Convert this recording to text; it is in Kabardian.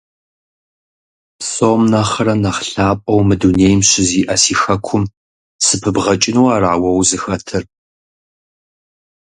Псом нэхърэ нэхъ лъапӀэу мы дунейм щызиӀэ си хэкум сыпыбгъэкӀыну ара уэ узыхэтыр?